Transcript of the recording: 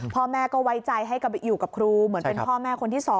พ่อแม่ก็ไว้ใจให้อยู่กับครูเหมือนเป็นพ่อแม่คนที่๒